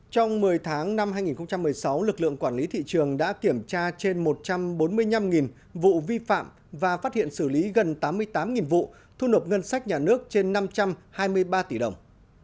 trong một mươi tháng năm hai nghìn một mươi sáu lực lượng quản lý thị trường đã kiểm tra trên một trăm bốn mươi năm vụ vi phạm và phát hiện xử lý gần tám mươi tám vụ thu nộp ngân sách nhà nước trên năm trăm hai mươi ba tỷ đồng